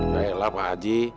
yalah pak haji